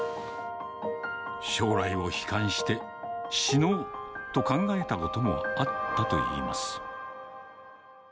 将来を悲観して、死のうと考えたこともあったといいます。